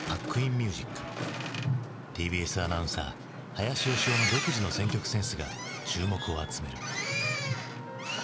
ＴＢＳアナウンサー林美雄の独自の選曲センスが注目を集める。